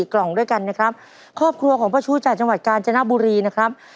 กล่องด้วยกันนะครับครอบครัวของป้าชู้จากจังหวัดกาญจนบุรีนะครับ